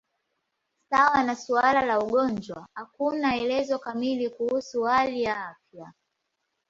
Sawa na suala la ugonjwa, hakuna elezo kamili kuhusu hali ya afya.